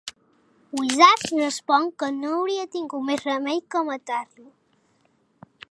Weizak respon que no hauria tingut més remei que matar-lo.